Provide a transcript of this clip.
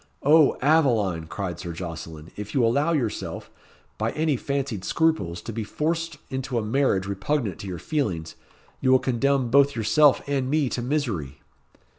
"O Aveline!" cried Sir Jocelyn. "If you allow yourself, by any fancied scruples, to be forced into a marriage repugnant to your feelings, you will condemn both yourself and me to misery."